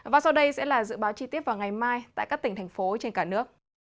và sau đây sẽ là dự báo chi tiết vào ngày mai tại các tỉnh thành phố trên cả nước